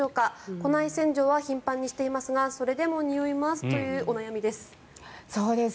庫内洗浄は頻繁にしていますがそれでもにおいますということです。